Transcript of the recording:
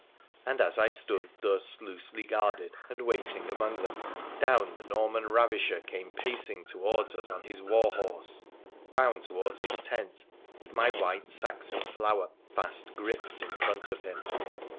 And as I stood thus loosely guarded and waiting among them, down the Norman ravisher came pacing towards us on his war horse, bound towards his tent, with my white Saxon flower fast gripped in front of him.